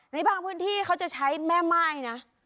ในบางพื้นที่เขาจะใช้แม่ม่ายนะ